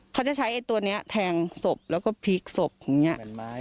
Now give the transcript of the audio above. เขาจะใช้ไอ้ตัวนี้แทงศพแล้วก็พลิกศพอย่างนี้